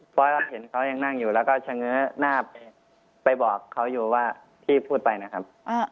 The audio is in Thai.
เพราะเราเห็นเขายังนั่งอยู่แล้วก็เฉง้อหน้าไปบอกเขาอยู่ว่าที่พูดไปนะครับ